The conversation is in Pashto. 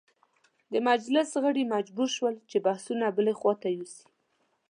د مجلس غړي مجبور شول چې بحثونه بلې خواته یوسي.